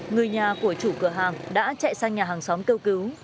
người nhà của chủ cửa hàng đã chạy sang nhà hàng xóm kêu cứu